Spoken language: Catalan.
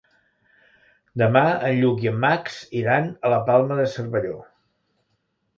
Demà en Lluc i en Max iran a la Palma de Cervelló.